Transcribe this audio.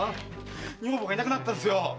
女房がいなくなったんですよ。